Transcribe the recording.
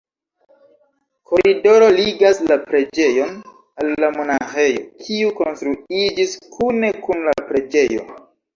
Koridoro ligas la preĝejon al la monaĥejo, kiu konstruiĝis kune kun la preĝejo.